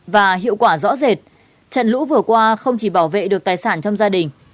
và hiệu quả rõ rệt trận lũ vừa qua không chỉ bảo vệ được tài sản trong gia đình